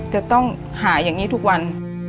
จะต้องหาอย่างนี้ทุกวัน